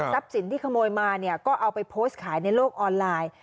สินที่ขโมยมาเนี่ยก็เอาไปโพสต์ขายในโลกออนไลน์